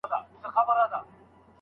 یو او مهم علت یې دا دی